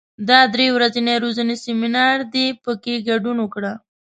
دا درې ورځنی روزنیز سیمینار دی، په کې ګډون وکړه.